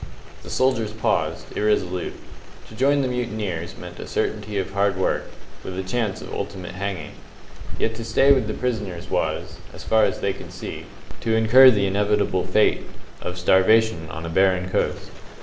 The soldiers paused, irresolute. To join the mutineers meant a certainty of hard work, with a chance of ultimate hanging. Yet to stay with the prisoners was as far as they could see to incur the inevitable fate of starvation on a barren coast.